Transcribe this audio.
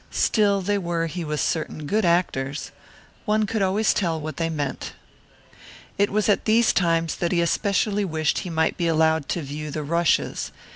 Still, they were, he was certain, good actors. One could always tell what they meant. It was at these times that he especially wished he might be allowed to view the "rushes."